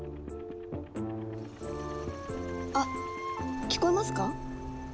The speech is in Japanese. あっ聞こえますか？